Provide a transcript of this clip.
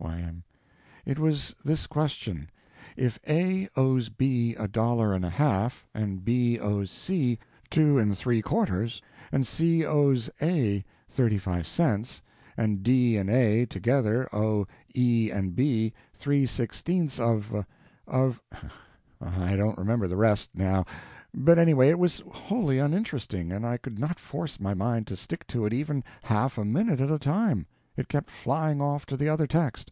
Y.M. It was this question: If A owes B a dollar and a half, and B owes C two and three quarter, and C owes A thirty—five cents, and D and A together owe E and B three sixteenths of—of—I don't remember the rest, now, but anyway it was wholly uninteresting, and I could not force my mind to stick to it even half a minute at a time; it kept flying off to the other text.